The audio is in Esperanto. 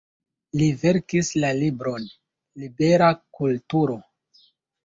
Li verkis la libron "Libera kulturo".